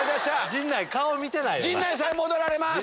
陣内さん戻られます。